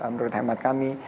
menurut hemat kami